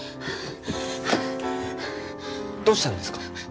どうしたんですか？